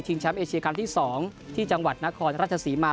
แชมป์เอเชียครั้งที่๒ที่จังหวัดนครราชศรีมา